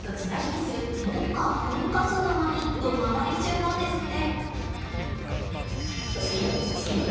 目下コンカツ沼にどはまり中なんですって。